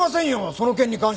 その件に関しては。